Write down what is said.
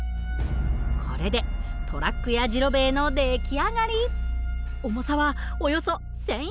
これでトラックやじろべえの出来上がり。